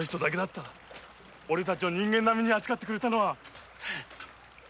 おれたちを人間並みに扱ってくれたのは。